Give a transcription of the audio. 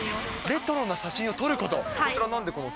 レトロな写真を撮ること？